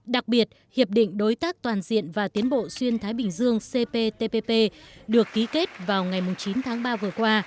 đặc biệt hiệp định đối tác toàn diện và tiến bộ xuyên thái bình dương cptpp được ký kết vào ngày chín tháng ba vừa qua